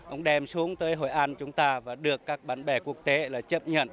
ông đem xuống tới hội an chúng ta và được các bạn bè quốc tế là chấp nhận